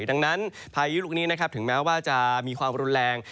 ดังนั้นพายุลูกนี้นะครับถึงแม้ว่าจะมีความรุนแรง